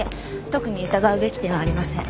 特に疑うべき点はありません。